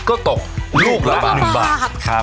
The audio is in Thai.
ก็ตกลูกละ๑บาท